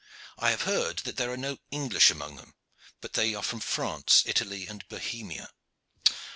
I have heard that there are no English among them, but that they are from France, Italy and Bohemia.